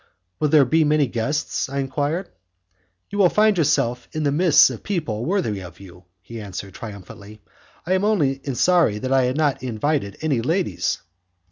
"Will there be many guests?" I enquired. "You will find yourselves in the midst of people worthy of you," he answered, triumphantly. "I am only sorry that I have not invited any ladies."